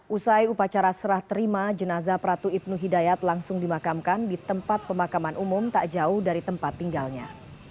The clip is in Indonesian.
usai upacara serah terima jenazah pratu ibnu hidayat langsung dimakamkan di tempat pemakaman umum tak jauh dari tempat tinggalnya